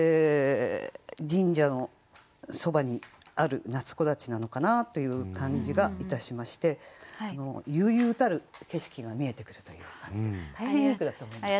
神社のそばにある夏木立なのかなという感じがいたしまして悠々たる景色が見えてくるという感じで大変いい句だと思います。